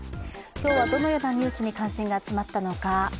今日はどのようなニュースに関心が集まったのか。